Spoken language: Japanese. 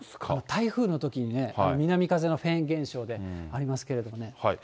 台風のときにね、南風のフェーン現象でありますけれどもね。